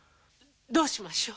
どうしましょう？